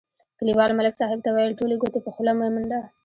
کلیوال ملک صاحب ته ویل: ټولې ګوتې په خوله مه منډه.